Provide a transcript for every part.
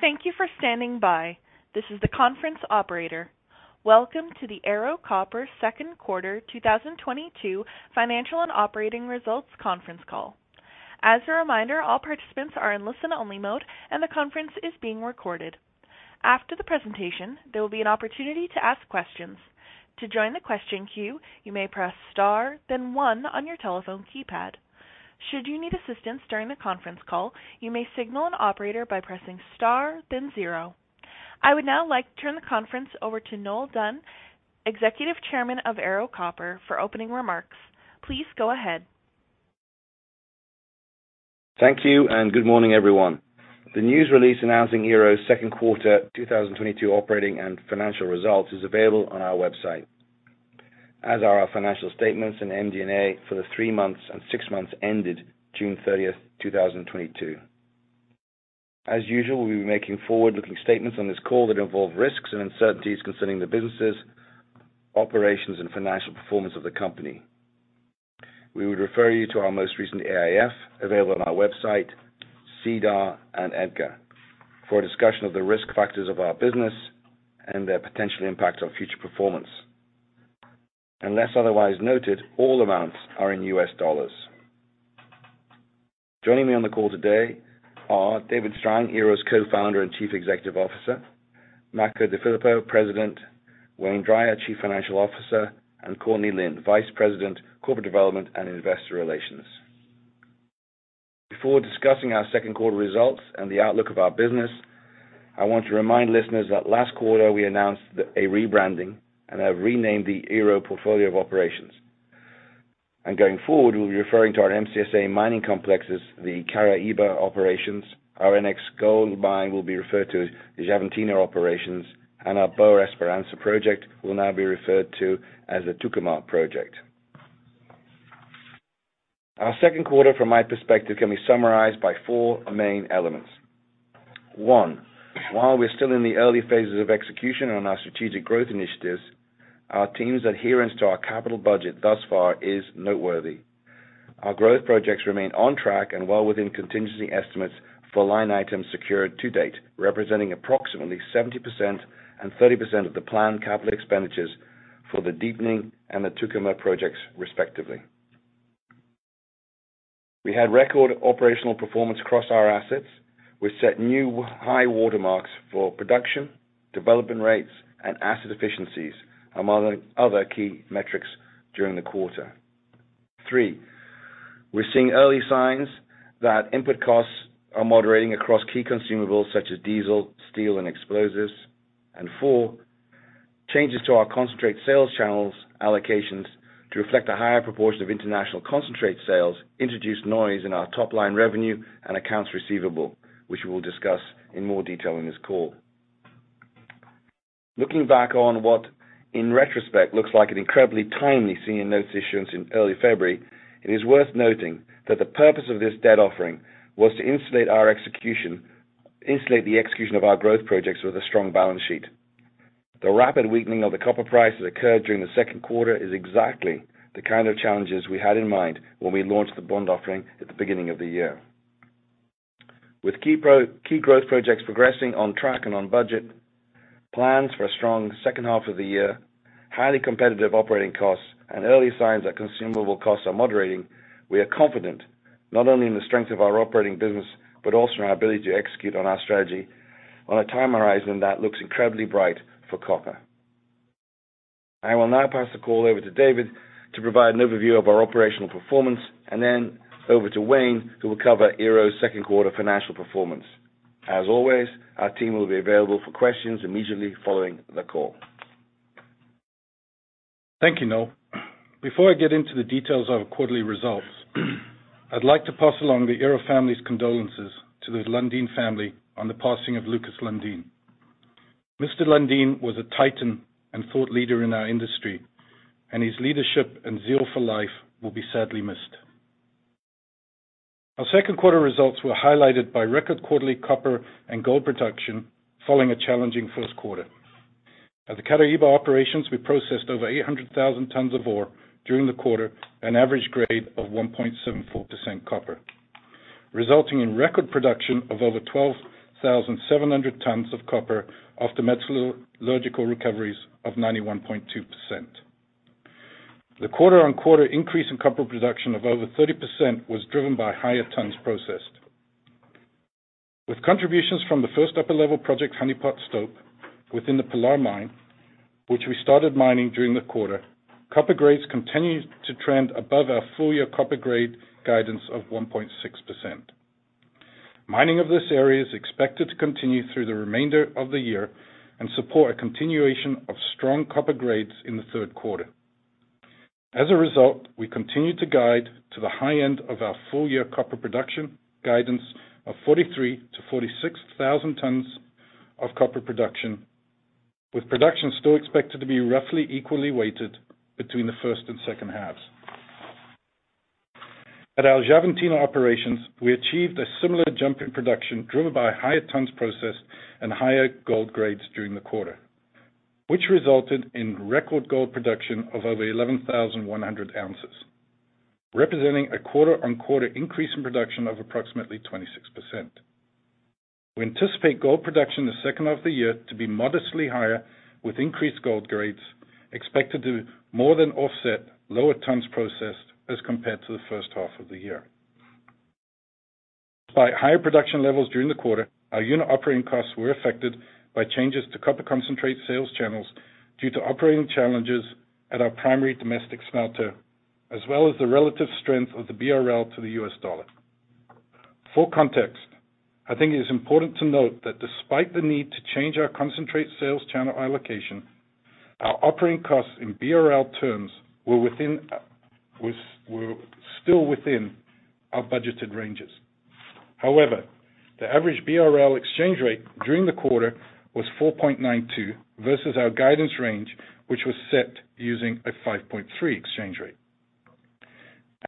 Thank you for standing by. This is the conference operator. Welcome to the Ero Copper second quarter 2022 financial and operating results conference call. As a reminder, all participants are in listen-only mode, and the conference is being recorded. After the presentation, there will be an opportunity to ask questions. To join the question queue, you may press star then one on your telephone keypad. Should you need assistance during the conference call, you may signal an operator by pressing star then zero. I would now like to turn the conference over to Noel Dunn, Executive Chairman of Ero Copper for opening remarks. Please go ahead. Thank you, and good morning, everyone. The news release announcing Ero's second quarter 2022 operating and financial results is available on our website, as are our financial statements and MD&A for the 3 months and 6 months ended June 30, 2022. As usual, we'll be making forward-looking statements on this call that involve risks and uncertainties concerning the businesses, operations, and financial performance of the company. We would refer you to our most recent AIF available on our website, SEDAR, and EDGAR for a discussion of the risk factors of our business and their potential impact on future performance. Unless otherwise noted, all amounts are in U.S. dollars. Joining me on the call today are David Strang, Ero's Co-Founder and Chief Executive Officer, Makko DeFilippo, President, Wayne Drier, Chief Financial Officer, and Courtney Lynn, Vice President, Corporate Development and Investor Relations. Before discussing our second quarter results and the outlook of our business, I want to remind listeners that last quarter we announced a rebranding and have renamed the Ero portfolio of operations. Going forward, we'll be referring to our MCSA mining complexes, the Caraíba Operations. Our Xavantina gold mine will be referred to as the Xavantina Operations, and our Boa Esperança project will now be referred to as the Tucumã project. Our second quarter, from my perspective, can be summarized by four main elements. One, while we're still in the early phases of execution on our strategic growth initiatives, our team's adherence to our capital budget thus far is noteworthy. Our growth projects remain on track and well within contingency estimates for line items secured to date, representing approximately 70% and 30% of the planned capital expenditures for the Deepening and the Tucumã projects, respectively. We had record operational performance across our assets, which set new high water marks for production, development rates, and asset efficiencies among other key metrics during the quarter. Three, we're seeing early signs that input costs are moderating across key consumables such as diesel, steel, and explosives. Four, changes to our concentrate sales channels allocations to reflect a higher proportion of international concentrate sales introduced noise in our top-line revenue and accounts receivable, which we will discuss in more detail in this call. Looking back on what, in retrospect, looks like an incredibly timely senior notes issuance in early February, it is worth noting that the purpose of this debt offering was to insulate the execution of our growth projects with a strong balance sheet. The rapid weakening of the copper price that occurred during the second quarter is exactly the kind of challenges we had in mind when we launched the bond offering at the beginning of the year. With key growth projects progressing on track and on budget, plans for a strong second half of the year, highly competitive operating costs, and early signs that consumable costs are moderating, we are confident not only in the strength of our operating business but also in our ability to execute on our strategy on a time horizon that looks incredibly bright for copper. I will now pass the call over to David to provide an overview of our operational performance, and then over to Wayne, who will cover Ero's second quarter financial performance. As always, our team will be available for questions immediately following the call. Thank you, Noel. Before I get into the details of our quarterly results, I'd like to pass along the Ero family's condolences to the Lundin family on the passing of Lukas Lundin. Mr. Lukas Lundin was a titan and thought leader in our industry, and his leadership and zeal for life will be sadly missed. Our second quarter results were highlighted by record quarterly copper and gold production following a challenging first quarter. At the Caraíba Operations, we processed over 800,000 tons of ore during the quarter, an average grade of 1.74% copper, resulting in record production of over 12,700 tons of copper from the metallurgical recoveries of 91.2%. The quarter-on-quarter increase in copper production of over 30% was driven by higher tons processed. With contributions from the first upper-level Project Honeypot stope within the Pilar Mine, which we started mining during the quarter, copper grades continued to trend above our full-year copper grade guidance of 1.6%. Mining of this area is expected to continue through the remainder of the year and support a continuation of strong copper grades in the third quarter. As a result, we continue to guide to the high end of our full-year copper production guidance of 43,000 tons-46,000 tons of copper production, with production still expected to be roughly equally weighted between the first and second halves. At our Xavantina Operations, we achieved a similar jump in production driven by higher tons processed and higher gold grades during the quarter, which resulted in record gold production of over 11,100 oz, representing a quarter-on-quarter increase in production of approximately 26%. We anticipate gold production in the second half of the year to be modestly higher, with increased gold grades expected to more than offset lower tons processed as compared to the first half of the year. By higher production levels during the quarter, our unit operating costs were affected by changes to copper concentrate sales channels due to operating challenges at our primary domestic smelter, as well as the relative strength of the BRL to the U.S. dollar. Full context, I think it is important to note that despite the need to change our concentrate sales channel allocation, our operating costs in BRL terms were still within our budgeted ranges. However, the average BRL exchange rate during the quarter was 4.92% versus our guidance range, which was set using a 5.3% exchange rate.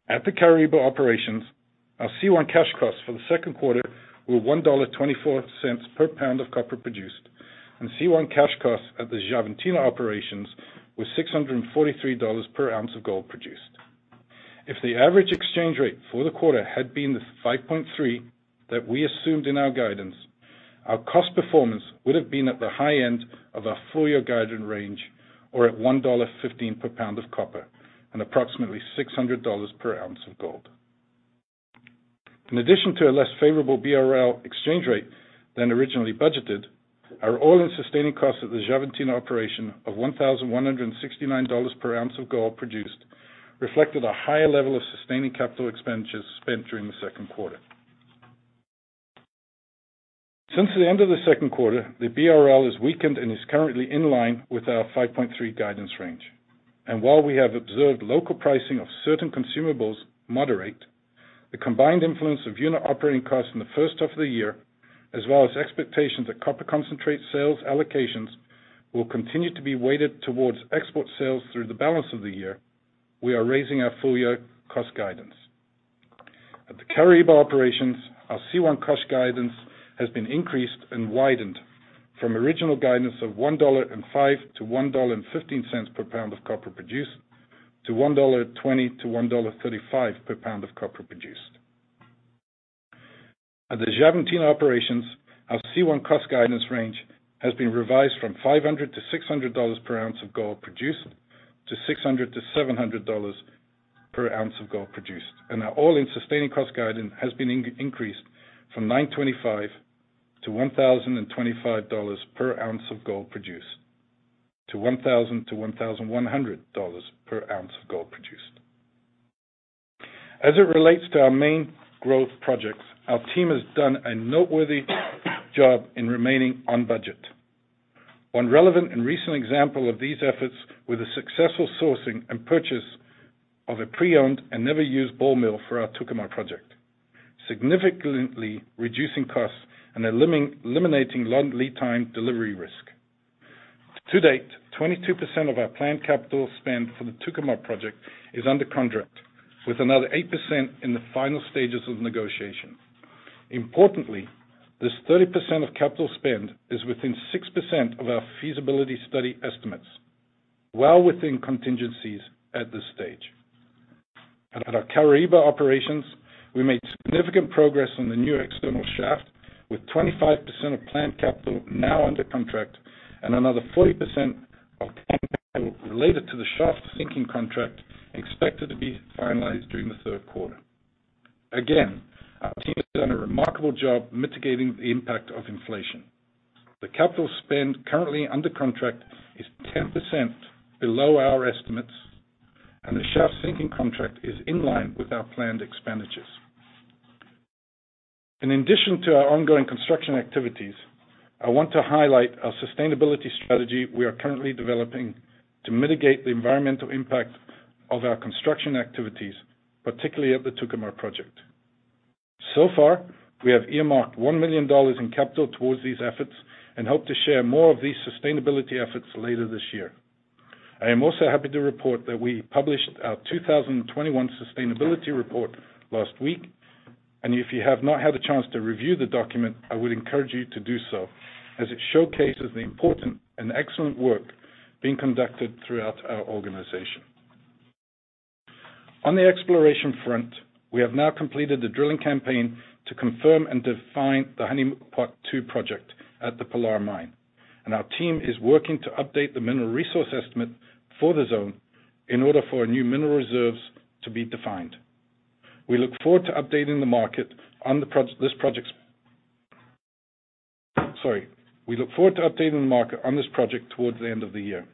At the Caraíba Operations, our C1 cash costs for the second quarter were $1.24/lb of copper produced, and C1 cash costs at the Xavantina Operations was $643/oz of gold produced. If the average exchange rate for the quarter had been the 5.3% that we assumed in our guidance, our cost performance would have been at the high end of our full year guidance range, or at $1.15/lb of copper, and approximately $600/oz of gold. In addition to a less favorable BRL exchange rate than originally budgeted, our all-in sustaining costs at the Xavantina Operations of $1,169/oz of gold produced reflected a higher level of sustaining capital expenditures spent during the second quarter. Since the end of the second quarter, the BRL has weakened and is currently in line with our 5.3% guidance range. While we have observed local pricing of certain consumables moderate, the combined influence of unit operating costs in the first half of the year, as well as expectations that copper concentrate sales allocations will continue to be weighted towards export sales through the balance of the year, we are raising our full year cost guidance. At the Caraíba Operations, our C1 cost guidance has been increased and widened from original guidance of $1.05-$1.15/lb of copper produced to $1.20-$1.35/lb of copper produced. At the Xavantina Operations, our C1 cost guidance range has been revised from $500-$600/oz of gold produced to $600-$700/oz of gold produced. Our all-in sustaining cost guidance has been increased from $925-$1,025/oz of gold produced to $1,000-$1,100/oz of gold produced. As it relates to our main growth projects, our team has done a noteworthy job in remaining on budget. One relevant and recent example of these efforts were the successful sourcing and purchase of a pre-owned and never used ball mill for our Tucumã project, significantly reducing costs and eliminating long lead time delivery risk. To date, 22% of our planned capital spend for the Tucumã project is under contract with another 8% in the final stages of negotiation. Importantly, this 30% of capital spend is within 6% of our feasibility study estimates, well within contingencies at this stage. At our Caraíba Operations, we made significant progress on the new external shaft, with 25% of plant capital now under contract and another 40% of capital related to the shaft sinking contract expected to be finalized during the third quarter. Again, our team has done a remarkable job mitigating the impact of inflation. The capital spend currently under contract is 10% below our estimates, and the shaft sinking contract is in line with our planned expenditures. In addition to our ongoing construction activities, I want to highlight a sustainability strategy we are currently developing to mitigate the environmental impact of our construction activities, particularly at the Tucumã project. So far, we have earmarked $1 million in capital towards these efforts and hope to share more of these sustainability efforts later this year. I am also happy to report that we published our 2021 sustainability report last week, and if you have not had a chance to review the document, I would encourage you to do so as it showcases the important and excellent work being conducted throughout our organization. On the exploration front, we have now completed the drilling campaign to confirm and define the Project Honeypot II project at the Pilar mine. Our team is working to update the mineral resource estimate for the zone in order for new mineral reserves to be defined. We look forward to updating the market on this project towards the end of the year.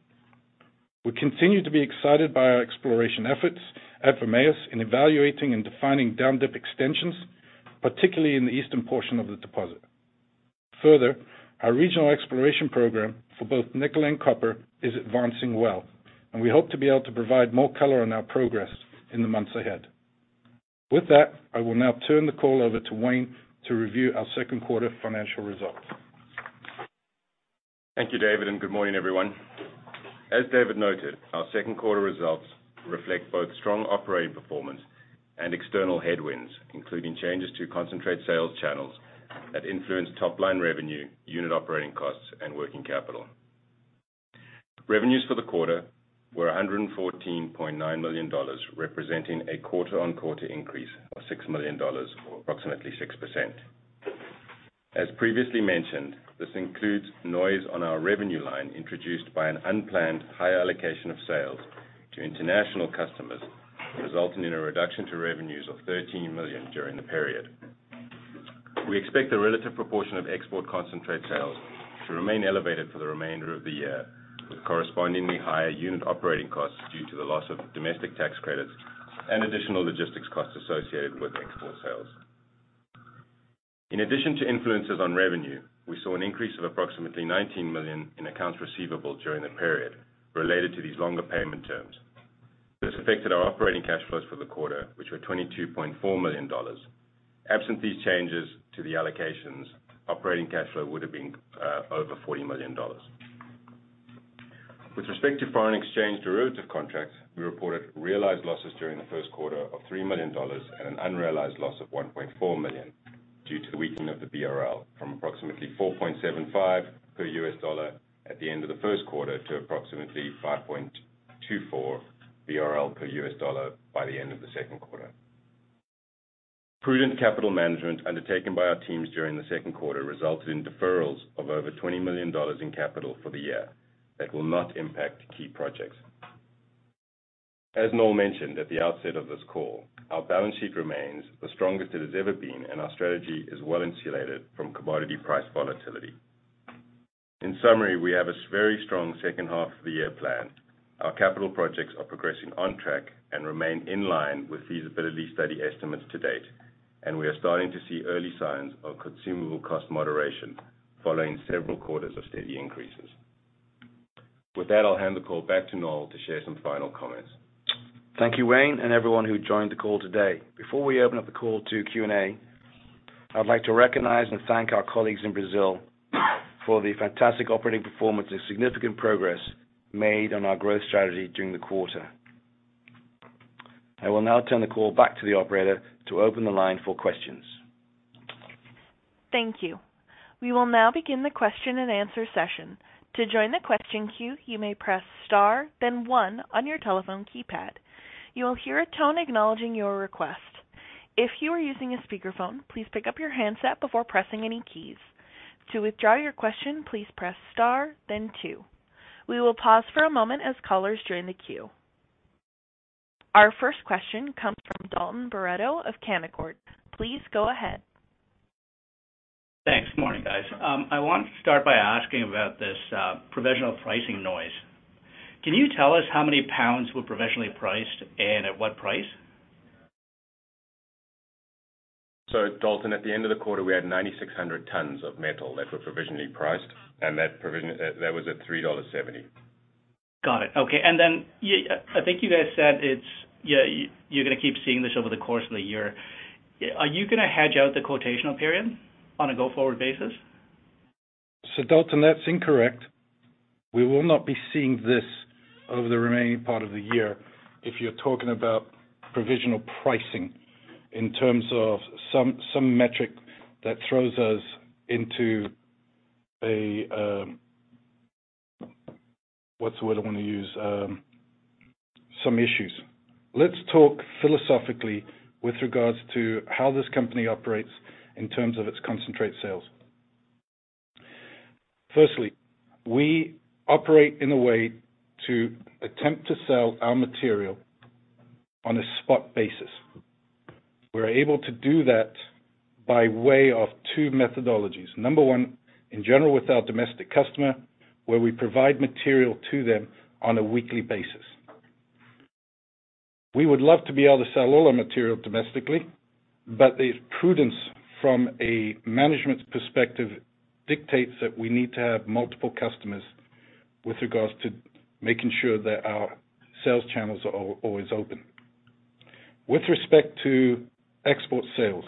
We continue to be excited by our exploration efforts at Vermelhos in evaluating and defining down dip extensions, particularly in the eastern portion of the deposit. Further, our regional exploration program for both nickel and copper is advancing well, and we hope to be able to provide more color on our progress in the months ahead. With that, I will now turn the call over to Wayne to review our second quarter financial results. Thank you, David, and good morning, everyone. As David noted, our second quarter results reflect both strong operating performance and external headwinds, including changes to concentrate sales channels that influence top-line revenue, unit operating costs, and working capital. Revenues for the quarter were $114.9 million, representing a quarter-on-quarter increase of $6 million or approximately 6%. As previously mentioned, this includes noise on our revenue line introduced by an unplanned high allocation of sales to international customers, resulting in a reduction to revenues of $13 million during the period. We expect the relative proportion of export concentrate sales to remain elevated for the remainder of the year, with correspondingly higher unit operating costs due to the loss of domestic tax credits and additional logistics costs associated with export sales. In addition to influences on revenue, we saw an increase of approximately $19 million in accounts receivable during the period related to these longer payment terms. This affected our operating cash flows for the quarter, which were $22.4 million. Absent these changes to the allocations, operating cash flow would have been over $40 million. With respect to foreign exchange derivative contracts, we reported realized losses during the first quarter of $3 million and an unrealized loss of $1.4 million due to the weakening of the BRL from approximately BRL 4.75/$1 at the end of the first quarter to approximately BRL 5.24/$1 by the end of the second quarter. Prudent capital management undertaken by our teams during the second quarter resulted in deferrals of over $20 million in capital for the year that will not impact key projects. As Noel mentioned at the outset of this call, our balance sheet remains the strongest it has ever been, and our strategy is well insulated from commodity price volatility. In summary, we have a very strong second half of the year plan. Our capital projects are progressing on track and remain in line with feasibility study estimates to date, and we are starting to see early signs of consumable cost moderation following several quarters of steady increases. With that, I'll hand the call back to Noel to share some final comments. Thank you, Wayne, and everyone who joined the call today. Before we open up the call to Q&A, I'd like to recognize and thank our colleagues in Brazil for the fantastic operating performance and significant progress made on our growth strategy during the quarter. I will now turn the call back to the operator to open the line for questions. Thank you. We will now begin the question-and-answer session. To join the question queue, you may press star then one on your telephone keypad. You will hear a tone acknowledging your request. If you are using a speakerphone, please pick up your handset before pressing any keys. To withdraw your question, please press star then two. We will pause for a moment as callers join the queue. Our first question comes from Dalton Baretto of Canaccord. Please go ahead. Thanks. Morning, guys. I want to start by asking about this, provisional pricing noise. Can you tell us how many pounds were provisionally priced and at what price? Dalton, at the end of the quarter, we had 9,600 tons of metal that were provisionally priced, and that provision, that was at $3.70. Got it. Okay. I think you guys said it's, yeah, you're gonna keep seeing this over the course of the year. Are you gonna hedge out the quotational period on a go-forward basis? Dalton, that's incorrect. We will not be seeing this over the remaining part of the year if you're talking about provisional pricing in terms of some metric that throws us into some issues. Let's talk philosophically with regards to how this company operates in terms of its concentrate sales. Firstly, we operate in a way to attempt to sell our material on a spot basis. We're able to do that by way of two methodologies. Number one, in general, with our domestic customer, where we provide material to them on a weekly basis. We would love to be able to sell all our material domestically, but the prudence from a management perspective dictates that we need to have multiple customers with regards to making sure that our sales channels are always open. With respect to export sales,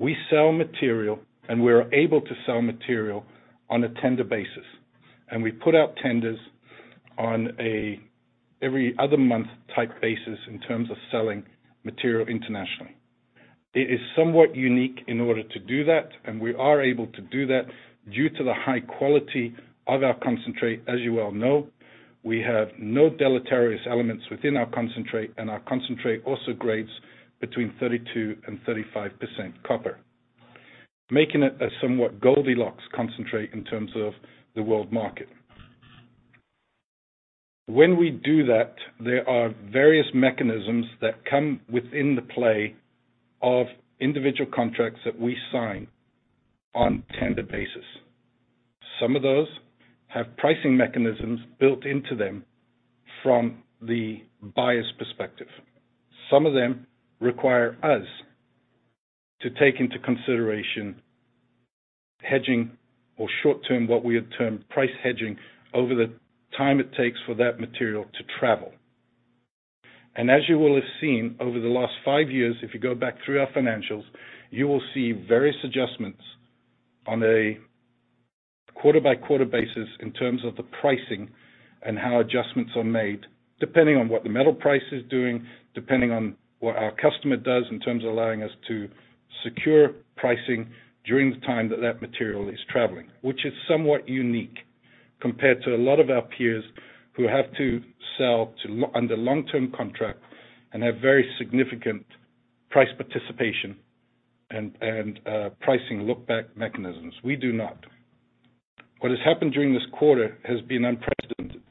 we sell material, and we're able to sell material on a tender basis, and we put out tenders on a every other month type basis in terms of selling material internationally. It is somewhat unique in order to do that, and we are able to do that due to the high quality of our concentrate as you well know. We have no deleterious elements within our concentrate, and our concentrate also grades between 32%-35% copper, making it a somewhat Goldilocks concentrate in terms of the world market. When we do that, there are various mechanisms that come within the play of individual contracts that we sign on tender basis. Some of those have pricing mechanisms built into them from the buyer's perspective. Some of them require us to take into consideration hedging or short-term, what we have termed price hedging, over the time it takes for that material to travel. As you will have seen over the last five years, if you go back through our financials, you will see various adjustments on a quarter-by-quarter basis in terms of the pricing and how adjustments are made. Depending on what the metal price is doing, depending on what our customer does in terms of allowing us to secure pricing during the time that that material is traveling. Which is somewhat unique compared to a lot of our peers who have to sell under long-term contract and have very significant price participation and pricing lookback mechanisms. We do not. What has happened during this quarter has been unprecedented.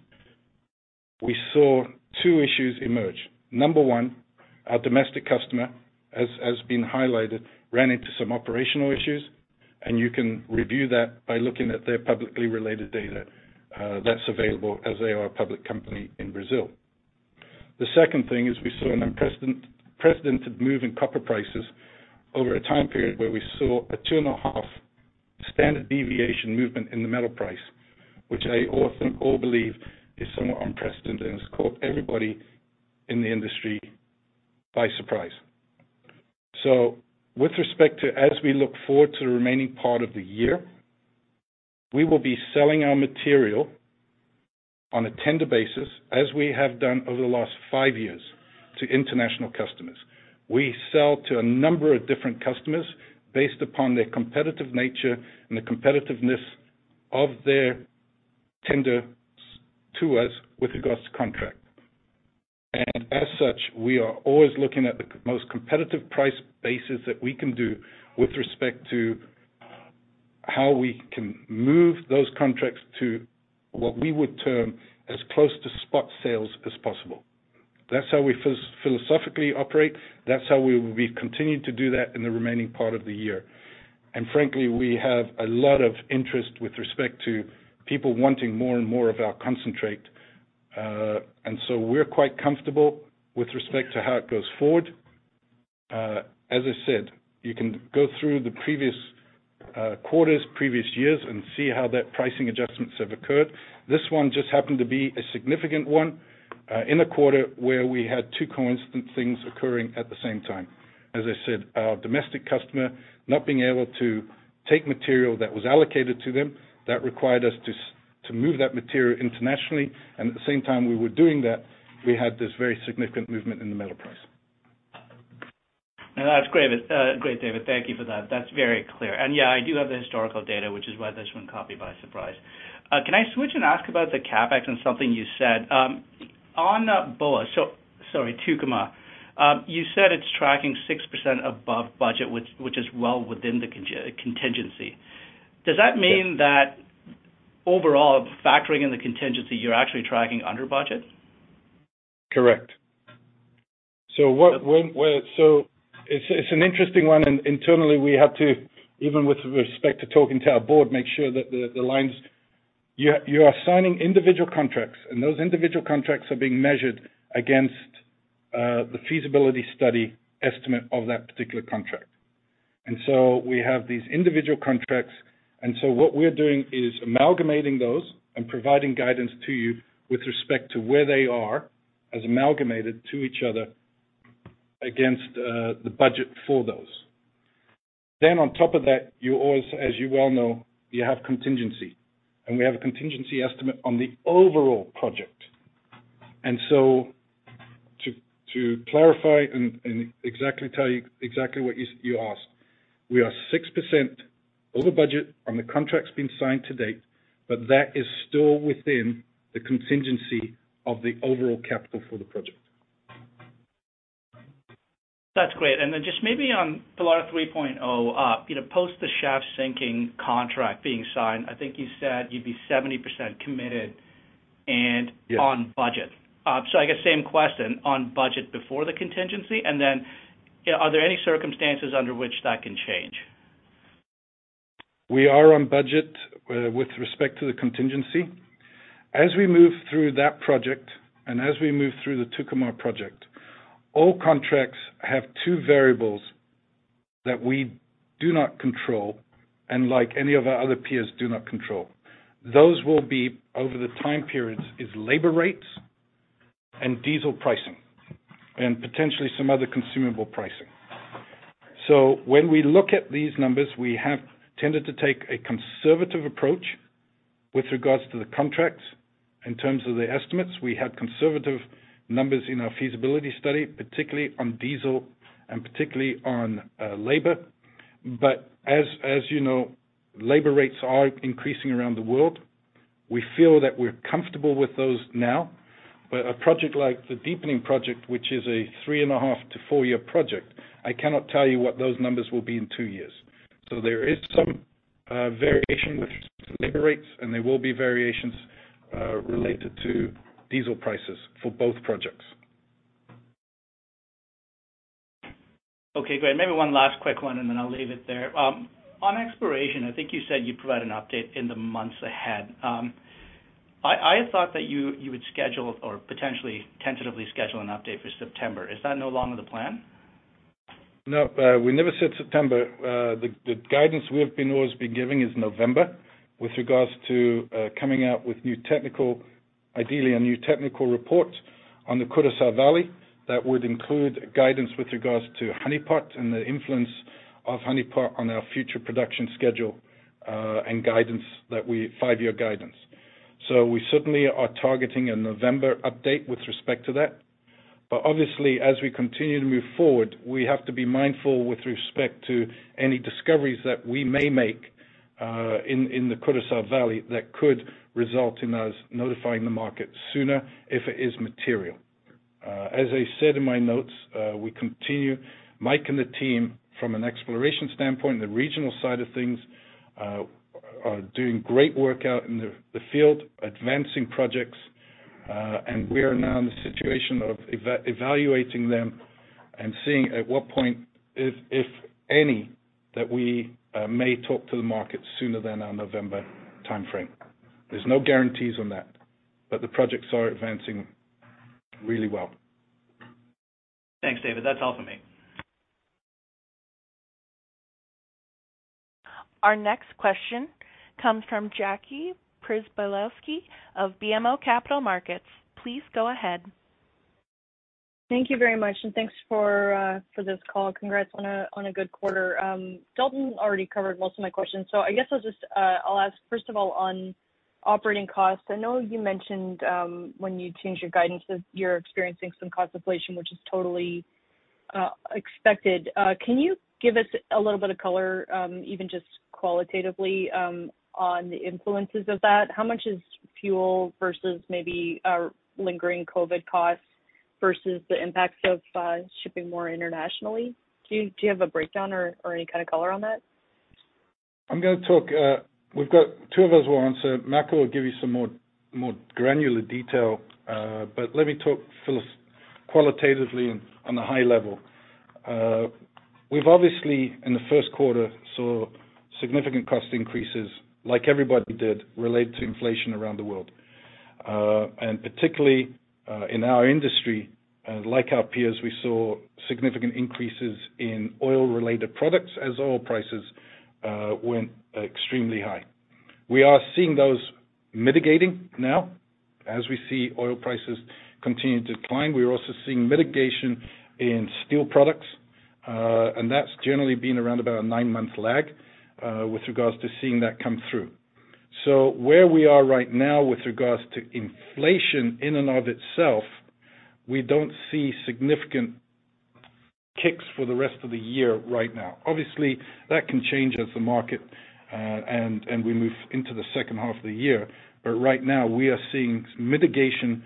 We saw two issues emerge. Number one, our domestic customer, as has been highlighted, ran into some operational issues, and you can review that by looking at their publicly available data, that's available as they are a public company in Brazil. The second thing is we saw an unprecedented move in copper prices over a time period where we saw a 2.5 standard deviation movement in the metal price, which I often call unbelievable is somewhat unprecedented and has caught everybody in the industry by surprise. With respect to, as we look forward to the remaining part of the year, we will be selling our material on a tender basis, as we have done over the last five years to international customers. We sell to a number of different customers based upon their competitive nature and the competitiveness of their tenders to us with regards to contract. As such, we are always looking at the most competitive price basis that we can do with respect to how we can move those contracts to what we would term as close to spot sales as possible. That's how we philosophically operate. That's how we've continued to do that in the remaining part of the year. Frankly, we have a lot of interest with respect to people wanting more and more of our concentrate. We're quite comfortable with respect to how it goes forward. As I said, you can go through the previous quarters, previous years and see how that pricing adjustments have occurred. This one just happened to be a significant one, in a quarter where we had two coincident things occurring at the same time. As I said, our domestic customer not being able to take material that was allocated to them, that required us to to move that material internationally. At the same time we were doing that, we had this very significant movement in the metal price. No, that's great. Great, David. Thank you for that. That's very clear. Yeah, I do have the historical data, which is why this one caught me by surprise. Can I switch and ask about the CapEx and something you said? Sorry, Tucumã, you said it's tracking 6% above budget, which is well within the contingency. Does that mean that overall, factoring in the contingency, you're actually tracking under budget? Correct. It's an interesting one, and internally we have to even with respect to talking to our Board make sure that the lines. You're assigning individual contracts, and those individual contracts are being measured against the feasibility study estimate of that particular contract. We have these individual contracts, and what we're doing is amalgamating those and providing guidance to you with respect to where they are as amalgamated to each other against the budget for those. On top of that, as you well know, you have contingency, and we have a contingency estimate on the overall project. To clarify and exactly tell you what you asked, we are 6% over budget on the contracts being signed to date, but that is still within the contingency of the overall capital for the project. That's great. Just maybe on Pilar 3.0, you know, post the shaft sinking contract being signed, I think you said you'd be 70% committed and- Yes. -On budget. I guess same question on budget before the contingency, and then, are there any circumstances under which that can change? We are on budget with respect to the contingency. As we move through that project and as we move through the Tucumã project, all contracts have two variables that we do not control and like any of our other peers do not control. Those will be over the time periods is labor rates and diesel pricing, and potentially some other consumable pricing. When we look at these numbers, we have tended to take a conservative approach with regards to the contracts in terms of the estimates. We had conservative numbers in our feasibility study, particularly on diesel and particularly on labor. As you know, labor rates are increasing around the world. We feel that we're comfortable with those now. A project like the Deepening project, which is a 3.5 year-4 year project, I cannot tell you what those numbers will be in 2 years. There is some variation with labor rates, and there will be variations related to diesel prices for both projects. Okay, great. Maybe one last quick one, and then I'll leave it there. On exploration, I think you said you'd provide an update in the months ahead. I thought that you would schedule or potentially tentatively schedule an update for September. Is that no longer the plan? No, we never said September. The guidance we have always been giving is November with regards to coming out with, ideally a new technical report on the Curaçá Valley that would include guidance with regards to Honeypot and the influence of Honeypot on our future production schedule, and 5-year guidance. We certainly are targeting a November update with respect to that. Obviously, as we continue to move forward, we have to be mindful with respect to any discoveries that we may make in the Curaçá Valley that could result in us notifying the market sooner if it is material. As I said in my notes, Mike and the team from an exploration standpoint, the regional side of things, are doing great work out in the field, advancing projects, and we are now in the situation of evaluating them and seeing at what point, if any, that we may talk to the market sooner than our November time frame. There's no guarantees on that, but the projects are advancing really well. Thanks, David. That's all for me. Our next question comes from Jackie Przybylowski of BMO Capital Markets. Please go ahead. Thank you very much, and thanks for this call. Congrats on a good quarter. Dalton already covered most of my questions, so I guess I'll just ask, first of all on operating costs. I know you mentioned, when you changed your guidance that you're experiencing some cost inflation, which is totally expected. Can you give us a little bit of color, even just qualitatively, on the influences of that? How much is fuel versus maybe lingering COVID costs versus the impacts of shipping more internationally? Do you have a breakdown or any kind of color on that? I'm gonna talk. We've got two of us who will answer. Makko DeFilippo will give you some more granular detail, but let me talk qualitatively on a high level. We've obviously, in the first quarter, saw significant cost increases like everybody did related to inflation around the world. Particularly, in our industry, like our peers, we saw significant increases in oil-related products as oil prices went extremely high. We are seeing those mitigating now as we see oil prices continue to decline. We are also seeing mitigation in steel products, and that's generally been around about a nine-month lag with regards to seeing that come through. Where we are right now with regards to inflation in and of itself, we don't see significant kicks for the rest of the year right now. Obviously, that can change as the market and we move into the second half of the year. Right now we are seeing mitigation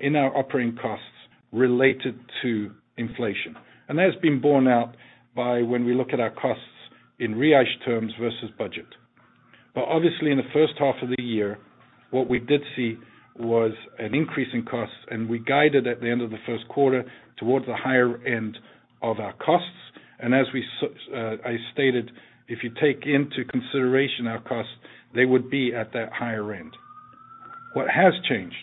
in our operating costs related to inflation. That has been borne out by when we look at our costs in realized terms versus budget. Obviously in the first half of the year, what we did see was an increase in costs, and we guided at the end of the first quarter towards the higher end of our costs. As we stated, if you take into consideration our costs, they would be at that higher end. What has changed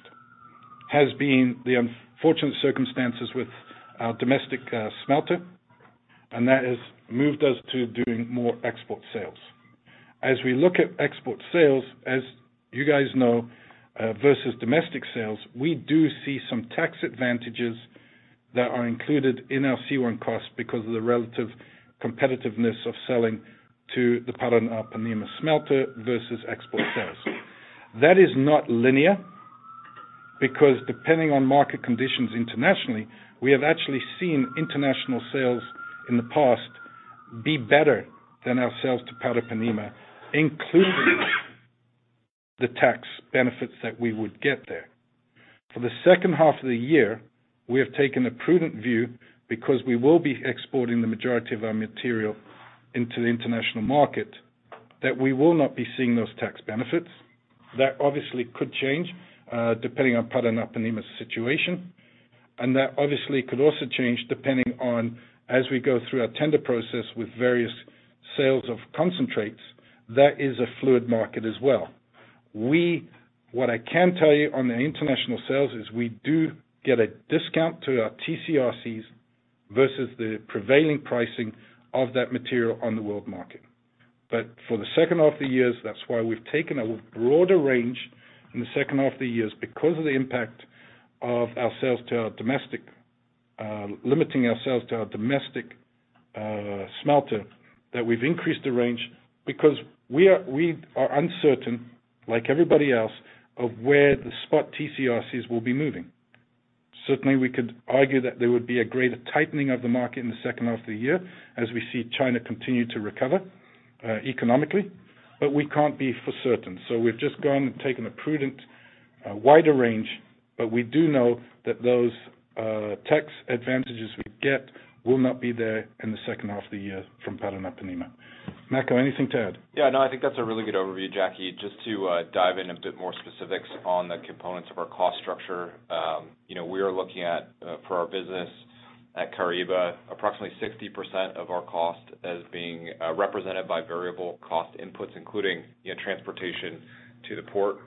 has been the unfortunate circumstances with our domestic smelter, and that has moved us to doing more export sales. As we look at export sales, as you guys know, versus domestic sales, we do see some tax advantages that are included in our C1 costs because of the relative competitiveness of selling to the Paranapanema smelter versus export sales. That is not linear because depending on market conditions internationally, we have actually seen international sales in the past be better than our sales to Paranapanema, including the tax benefits that we would get there. For the second half of the year, we have taken a prudent view because we will be exporting the majority of our material into the international market, that we will not be seeing those tax benefits. That obviously could change, depending on Paranapanema's situation, and that obviously could also change depending on as we go through our tender process with various sales of concentrates, that is a fluid market as well. What I can tell you on the international sales is we do get a discount through our TCRCs versus the prevailing pricing of that material on the world market. For the second half of the years, that's why we've taken a broader range in the second half of the years because of the impact of our sales to our domestic, limiting ourselves to our domestic, smelter, that we've increased the range because we are uncertain, like everybody else, of where the spot TCRCs will be moving. Certainly, we could argue that there would be a greater tightening of the market in the second half of the year as we see China continue to recover, economically, but we can't be for certain. We've just gone and taken a prudent, wider range. We do know that those tax advantages we get will not be there in the second half of the year from Paranapanema. Makko, anything to add? Yeah. No, I think that's a really good overview, Jackie. Just to dive in a bit more specifics on the components of our cost structure. You know, we are looking at for our business at Caraíba Operations, approximately 60% of our cost as being represented by variable cost inputs, including, you know, transportation to the port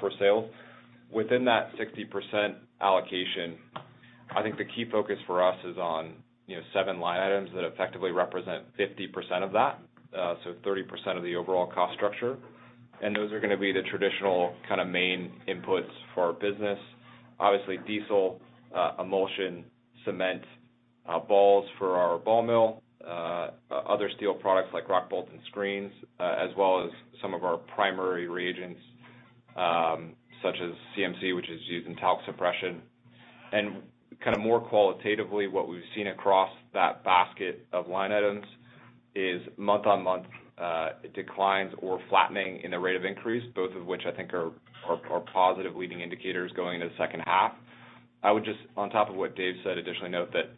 for sales. Within that 60% allocation, I think the key focus for us is on, you know, seven line items that effectively represent 50% of that, so 30% of the overall cost structure. Those are gonna be the traditional kind of main inputs for our business. Obviously, diesel, emulsion, cement, balls for our ball mill, other steel products like rock bolts and screens, as well as some of our primary reagents, such as CMC, which is used in talc suppression. Kind of more qualitatively, what we've seen across that basket of line items is month-on-month declines or flattening in the rate of increase, both of which I think are positive leading indicators going into the second half. I would just, on top of what Dave said, additionally note that,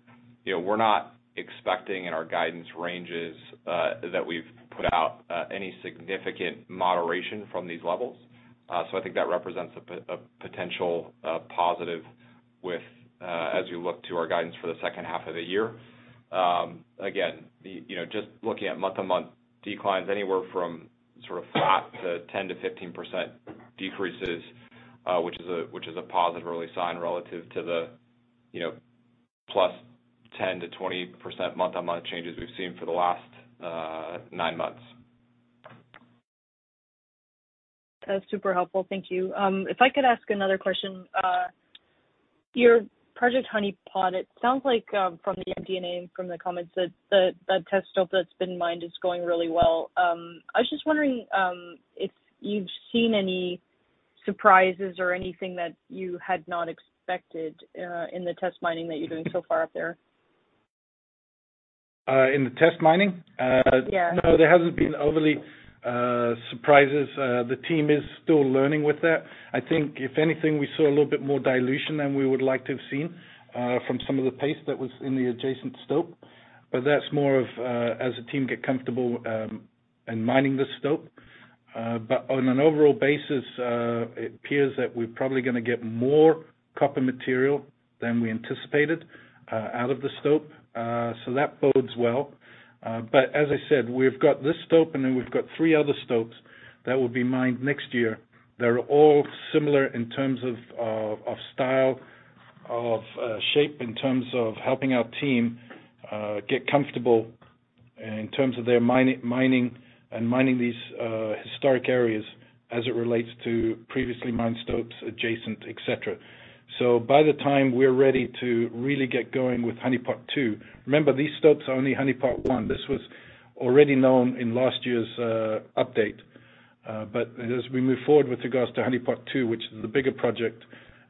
you know, we're not expecting in our guidance ranges that we've put out any significant moderation from these levels. I think that represents a potential positive with, as we look to our guidance for the second half of the year. Again, you know, just looking at month-on-month declines, anywhere from sort of flat to 10%-15% decreases, which is a positive early sign relative to the, you know, +10% to 20% month-on-month changes we've seen for the last 9 months. That's super helpful, thank you. If I could ask another question. Your Project Honeypot, it sounds like from the MD&A and from the comments that the test stope that's been mined is going really well. I was just wondering if you've seen any surprises or anything that you had not expected in the test mining that you're doing so far up there? In the test mining? Yeah. No, there hasn't been overly surprises. The team is still learning with that. I think if anything, we saw a little bit more dilution than we would like to have seen from some of the paste that was in the adjacent stope. That's more of as the team get comfortable in mining the stope. On an overall basis, it appears that we're probably gonna get more copper material than we anticipated out of the stope, so that bodes well. As I said, we've got this stope, and then we've got three other stopes that will be mined next year. They're all similar in terms of style, of, shape, in terms of helping our team, get comfortable in terms of their mining these historic areas as it relates to previously mined stopes adjacent, et cetera. By the time we're ready to really get going with Honeypot II, remember, these stopes are only Honeypot I. This was already known in last year's update. As we move forward with regards to Honeypot II, which is the bigger project,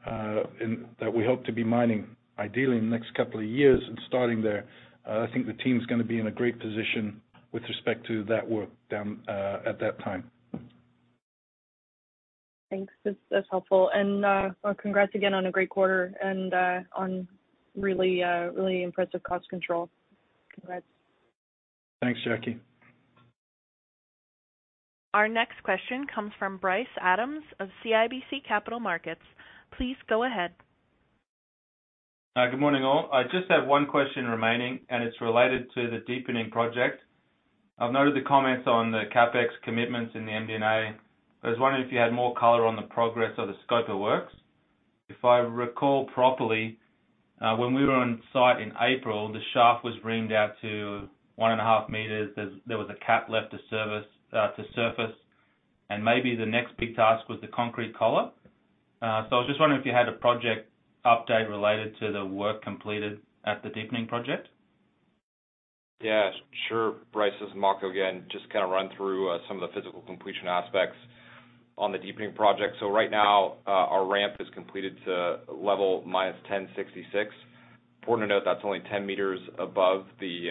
and that we hope to be mining ideally in the next couple of years and starting there, I think the team's gonna be in a great position with respect to that work down, at that time. Thanks. That's helpful. Congrats again on a great quarter and on really impressive cost control. Congrats. Thanks, Jackie. Our next question comes from Bryce Adams of CIBC Capital Markets. Please go ahead. Good morning, all. I just have one question remaining, and it's related to the Deepening project. I've noted the comments on the CapEx commitments in the MD&A. I was wondering if you had more color on the progress or the scope of works. If I recall properly, when we were on site in April, the shaft was reamed out to 1.5 m. There was a cap left to service to surface, and maybe the next big task was the concrete collar. I was just wondering if you had a project update related to the work completed at the Deepening project? Yeah, sure. Bryce, this is Makko again. Just kind of run through some of the physical completion aspects on the Deepening project. Right now, our ramp is completed to level -1,066. Important to note, that's only 10 m above the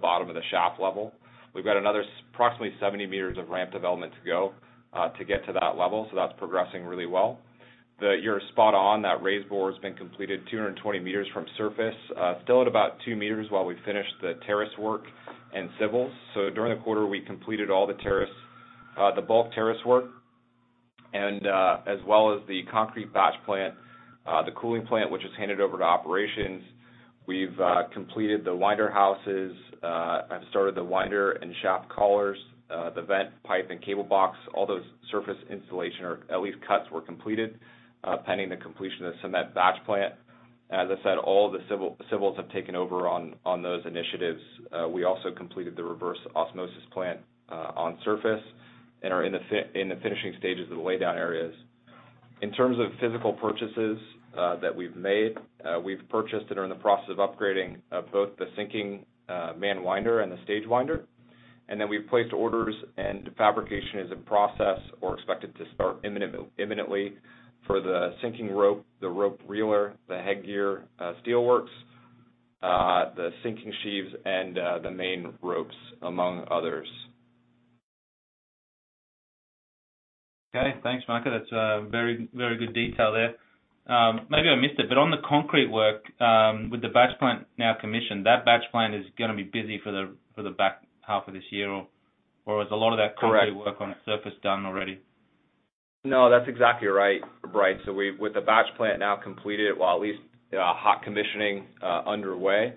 bottom of the shaft level. We've got another approximately 70 m of ramp development to go to get to that level, so that's progressing really well. You're spot on, that raise bore has been completed 220 m from surface, still at about 2 m while we finish the terrace work and civils. During the quarter, we completed all the terrace, the bulk terrace work and, as well as the concrete batch plant, the cooling plant, which was handed over to operations. We've completed the winder houses and started the winder and shaft collars, the vent pipe and cable box. All those surface installation or at least cuts were completed, pending the completion of the cement batch plant. As I said, all of the civils have taken over on those initiatives. We also completed the reverse osmosis plant on surface and are in the finishing stages of the laydown areas. In terms of physical purchases that we've made, we've purchased and are in the process of upgrading both the sinking main winder and the stage winder. We've placed orders and fabrication is in process or expected to start imminently for the sinking rope, the rope reeler, the headgear, steel works, the sinking sheaves and the main ropes, among others. Okay, thanks, Makko. That's very, very good detail there. Maybe I missed it, but on the concrete work, with the batch plant now commissioned, that batch plant is gonna be busy for the back half of this year or is a lot of that? Correct. Concrete work on the surface done already? No, that's exactly right, Bryce. With the batch plant now completed, with at least hot commissioning underway,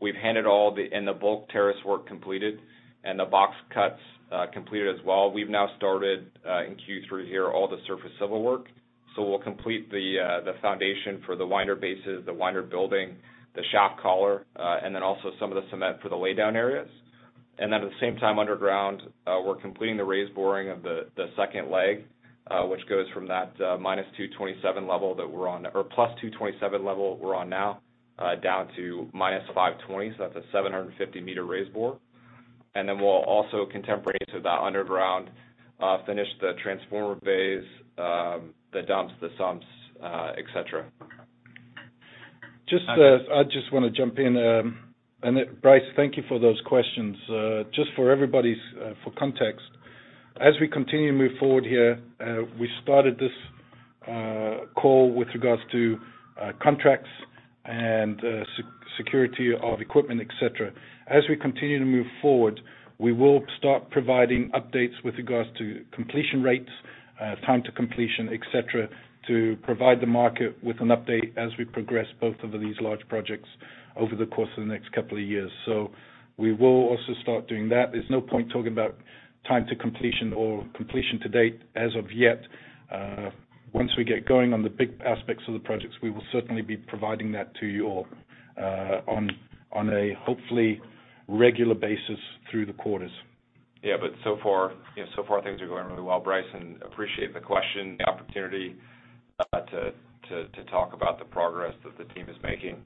the bulk terrace work completed and the box cuts completed as well. We've now started in Q3 here all the surface civil work. We'll complete the foundation for the winder bases, the winder building, the shaft collar, and then also some of the cement for the laydown areas. At the same time, underground, we're completing the raise boring of the second leg, which goes from that -227 level that we're on or +227 level we're on now, down to -520. That's a 750-m raise bore. We'll also contemporaneously to that underground, finish the transformer bays, the dumps, the sumps, et cetera. Just, I just wanna jump in, and then Bryce, thank you for those questions. Just for everybody's for context, as we continue to move forward here, we started this call with regards to contracts and security of equipment, et cetera. As we continue to move forward, we will start providing updates with regards to completion rates, time to completion, et cetera, to provide the market with an update as we progress both of these large projects over the course of the next couple of years. We will also start doing that. There's no point talking about time to completion or completion to date as of yet. Once we get going on the big aspects of the projects, we will certainly be providing that to you all, on a hopefully regular basis through the quarters. Yeah. So far, you know, so far things are going really well, Bryce, and appreciate the question, the opportunity, to talk about the progress that the team is making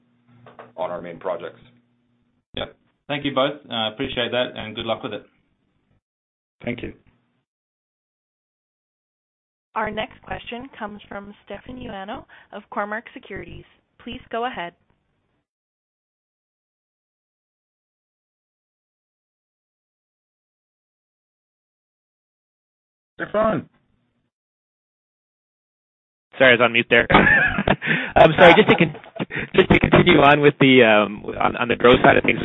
on our main projects. Yeah. Thank you both. I appreciate that and good luck with it. Thank you. Our next question comes from Stefan Ioannou of Cormark Securities. Please go ahead. Stefan? Sorry, I was on mute there. Sorry, just to continue on with the growth side of things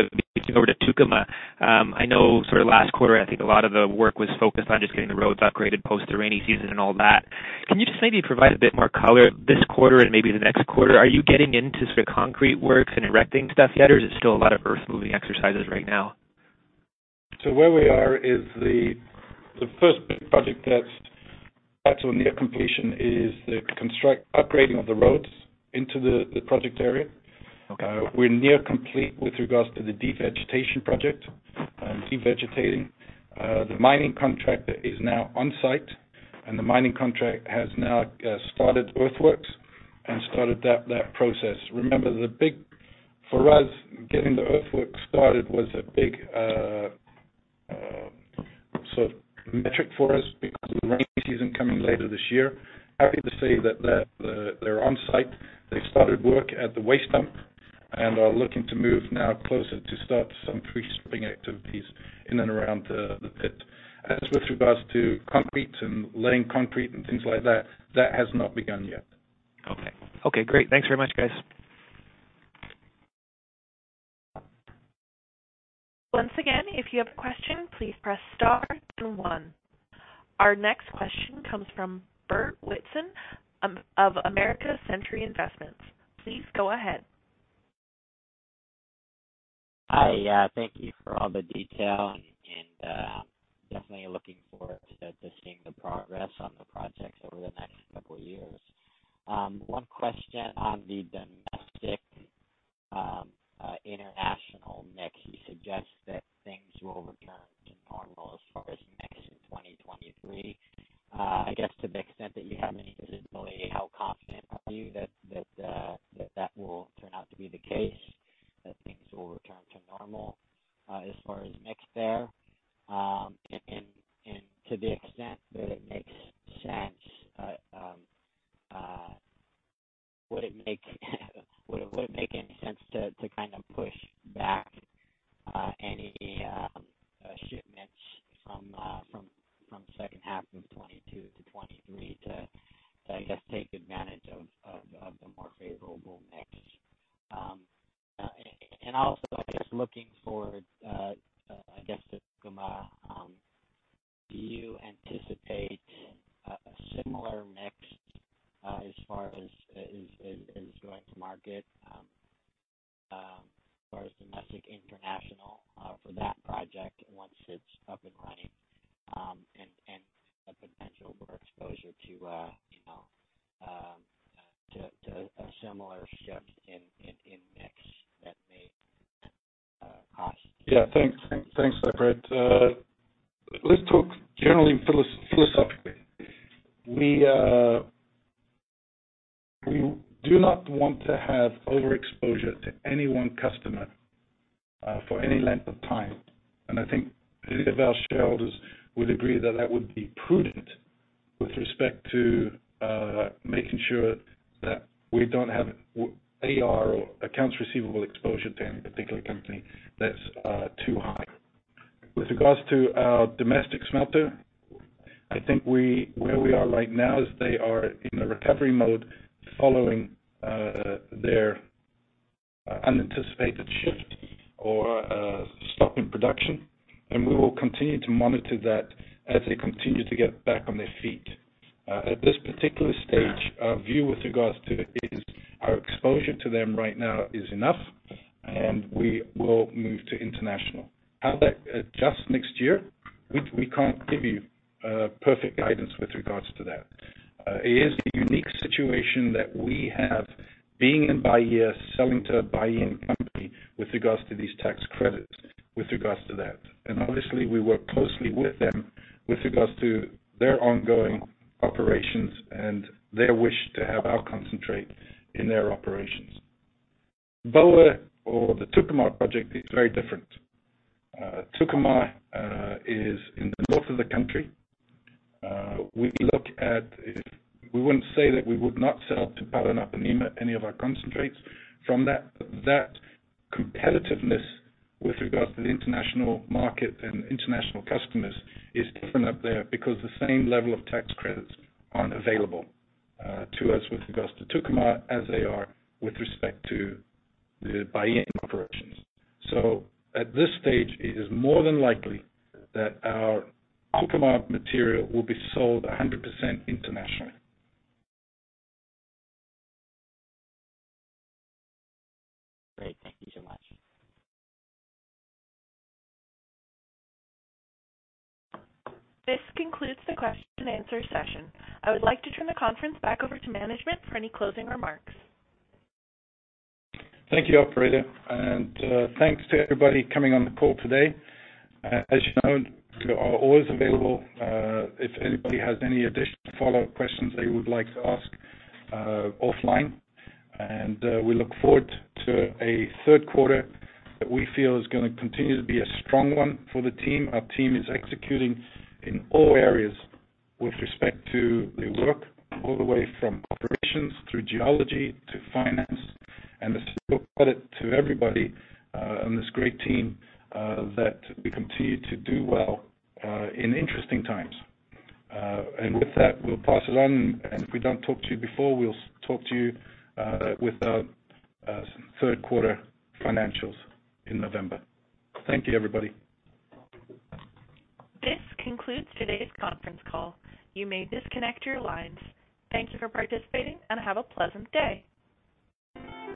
over to Tucumã, I know sort of last quarter, I think a lot of the work was focused on just getting the roads upgraded post the rainy season and all that. Can you just maybe provide a bit more color this quarter and maybe the next quarter? Are you getting into sort of concrete works and erecting stuff yet, or is it still a lot of earth moving exercises right now? Where we are is the first big project that's actually near completion is the construction upgrading of the roads into the project area. Okay. We're near complete with regards to the devegetation project and devegetating. The mining contract is now on site, and the mining contract has now started earthworks and started that process. Remember, the big for us, getting the earthwork started was a big sort of metric for us because of the rainy season coming later this year. Happy to say that they're on site. They started work at the waste dump and are looking to move now closer to start some pre-strip activities in and around the pit. As with regards to concrete and laying concrete and things like that has not begun yet. Okay. Okay, great. Thanks very much, guys. Once again, if you have a question, please press star then one. Our next question comes from Bert Whitson of American Century Investments. Please go ahead. Hi. Yeah, thank you for all the detail and definitely looking forward to seeing the progress on the projects over the next couple of years. One question on the domestic international mix, you suggest that things will return to normal as far as mix in 2023. I guess to the extent that you have any visibility, how confident are you that that will turn out to be the case, that things will return to normal as far as mix there? And to the extent that it makes sense, would it make any sense to kind of push back any shipments from the second half of 2022-2023 to, I guess, take advantage of the more favorable mix? Also, I guess looking forward, I guess to Tucumã, do you anticipate a similar mix as far as it's going to market, as far as domestic, international, for that project once it's up and running, and a potential for exposure to, you know, to a similar shift in mix that may cost? Yeah. Thanks. Thanks, Bert. Let's talk generally philosophically. We do not want to have overexposure to any one customer for any length of time, and I think any of our shareholders would agree that that would be prudent with respect to making sure that we don't have AR or Accounts Receivable exposure to any particular company that's too high. With regards to our domestic smelter, I think where we are right now is they are in a recovery mode following their unanticipated shift or stop in production, and we will continue to monitor that as they continue to get back on their feet. At this particular stage, our view with regards to it is our exposure to them right now is enough, and we will move to international. How that adjusts next year, we can't give you perfect guidance with regards to that. It is a unique situation that we have being in Bahia, selling to a Bahian company with regards to these tax credits, with regards to that. Obviously, we work closely with them with regards to their ongoing operations and their wish to have our concentrate in their operations. Caraíba Operations or the Tucumã project is very different. Tucumã is in the north of the country. We wouldn't say that we would not sell to Paranapanema any of our concentrates from that. That competitiveness with regards to the international market and international customers is different up there because the same level of tax credits aren't available to us with regards to Tucumã as they are with respect to the Bahian operations. At this stage, it is more than likely that our Tucumã material will be sold 100% internationally. Great. Thank you so much. This concludes the question and answer session. I would like to turn the conference back over to management for any closing remarks. Thank you, operator. Thanks to everybody coming on the call today. As you know, we are always available if anybody has any additional follow-up questions they would like to ask offline. We look forward to a third quarter that we feel is gonna continue to be a strong one for the team. Our team is executing in all areas with respect to the work, all the way from operations through geology to finance. A special credit to everybody on this great team that we continue to do well in interesting times. With that, we'll pass it on. If we don't talk to you before, we'll talk to you with our third quarter financials in November. Thank you, everybody. This concludes today's conference call. You may disconnect your lines. Thank you for participating, and have a pleasant day.